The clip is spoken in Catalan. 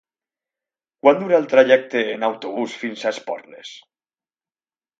Quant dura el trajecte en autobús fins a Esporles?